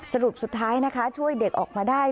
สรุปสุดท้ายนะคะช่วยเด็กออกมาได้